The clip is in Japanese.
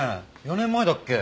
４年前だっけ？